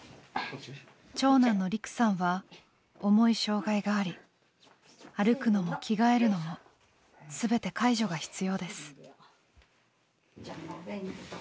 長男の琉久さんは重い障害があり歩くのも着替えるのも全て介助が必要です。